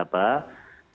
ada lima tenaga medis